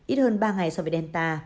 ít hơn ba ngày so với delta